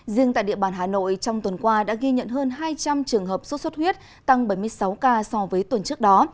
riêng tại địa bàn hà nội trong tuần qua đã ghi nhận hơn hai trăm linh trường hợp sốt xuất huyết tăng bảy mươi sáu ca so với tuần trước đó